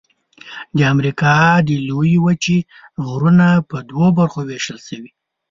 د امریکا د لویې وچې غرونه په دوو برخو ویشل شوي.